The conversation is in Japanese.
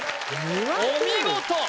お見事！